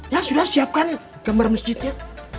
ya sudah siapkan gambar masjidnya